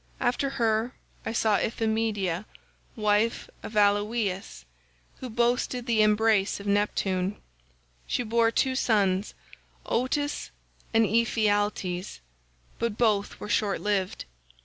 "After her I saw Iphimedeia wife of Aloeus who boasted the embrace of Neptune. She bore two sons Otus and Ephialtes, but both were short lived.